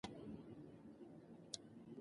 ښځې په ټولنه کې د بدلون راوستلو وړتیا لري.